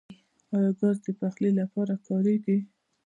آیا ګاز د پخلي لپاره کاریږي؟